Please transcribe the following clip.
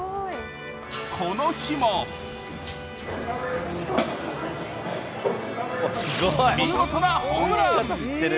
この日も見事なホームラン。